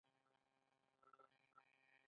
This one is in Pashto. هره جمعه یو نعمت ده.